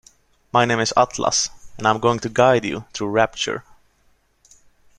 My name is Atlas and I'm going to guide you through Rapture.